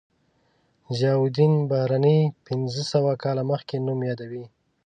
ضیاءالدین برني پنځه سوه کاله مخکې نوم یادوي.